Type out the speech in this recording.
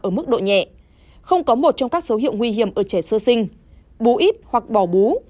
ở mức độ nhẹ không có một trong các số hiệu nguy hiểm ở trẻ sơ sinh bú ít hoặc bỏ bú